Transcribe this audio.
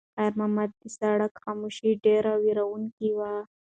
خیر محمد ته د سړک خاموشي ډېره وېروونکې وه.